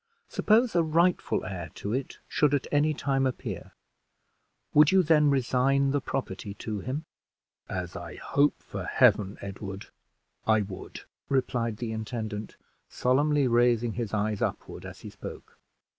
Suppose a rightful heir to it should at any time appear, would you then resign the property to him?" "As I hope for Heaven, Edward, I would!" replied the intendant, solemnly raising his eyes upward as he spoke.